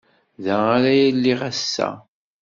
Da ara iliɣ ass-a.